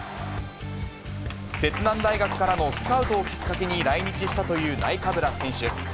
摂南大学からのスカウトをきっかけに来日したというナイカブラ選手。